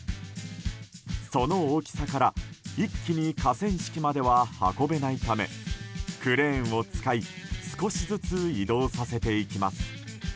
その大きさから一気に河川敷までは運べないためクレーンを使い少しずつ移動させていきます。